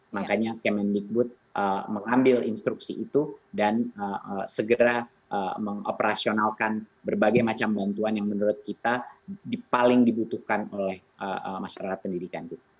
makanya kemendikbud mengambil instruksi itu dan segera mengoperasionalkan berbagai macam bantuan yang menurut kita paling dibutuhkan oleh masyarakat pendidikan